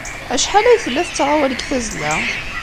Acḥal ay tella tettɣawal deg tazzla?